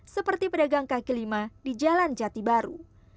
seperti pedagang kaki lima di jalan jati baru